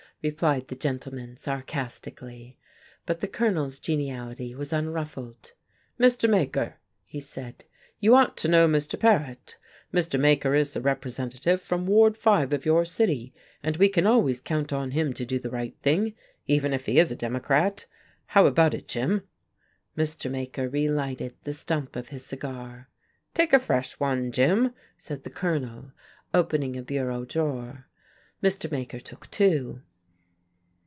replied the gentleman sarcastically. But the Colonel's geniality was unruffled. "Mr. Maker," he said, "you ought to know Mr. Paret. Mr. Maker is the representative from Ward Five of your city, and we can always count on him to do the right thing, even if he is a Democrat. How about it, Jim?" Mr. Maker relighted the stump of his cigar. "Take a fresh one, Jim," said the Colonel, opening a bureau drawer. Mr. Maker took two.